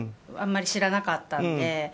あんまり知らなかったので。